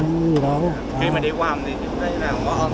khi mà đi qua hầm thì cái nào có an toàn không